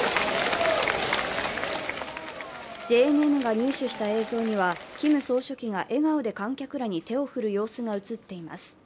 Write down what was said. ＪＮＮが入手した映像にはキム総書記が笑顔で観客らに手を振る様子が映っています。